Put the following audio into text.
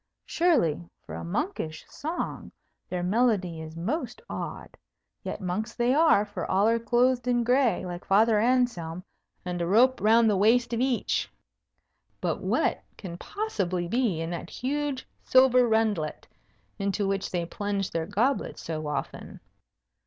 Surely, for a monkish song, their melody is most odd; yet monks they are, for all are clothed in gray, like Father Anselm, and a rope round the waist of each. But what can possibly be in that huge silver rundlet into which they plunge their goblets so often?